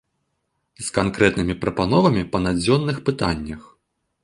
З канкрэтнымі прапановамі па надзённых пытаннях.